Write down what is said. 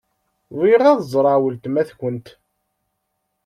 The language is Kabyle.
Bɣiɣ ad ẓṛeɣ weltma-tkent.